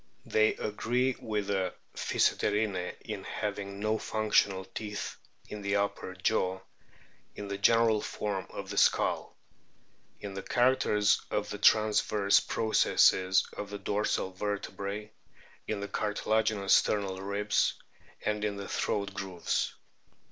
They agree with the Physeterinae in having no functional teeth in the upper jaw ; in the general form of the skull ; in the characters of the transverse processes of the dorsal vertebrae ; in the cartilaginous sternal ribs ; and in the throat grooves.